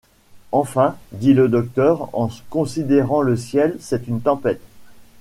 Enfin! dit le docteur en considérant le ciel, c’est une tempête !